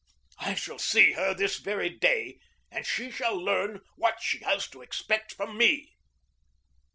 I shall see her this very day, and she shall learn what she has to expect from me.